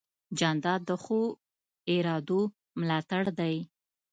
جانداد د ښو ارادو ملاتړ دی.